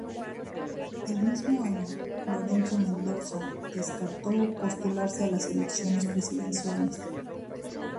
El mismo año Lorenzo Mendoza descartó postularse a las elecciones presidenciales.